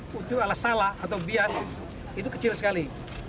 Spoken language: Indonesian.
kita harus mencari jalan kembali